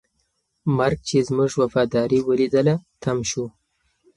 مرګ چې زموږ وفاداري ولیدله، تم شو.